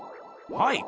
はい。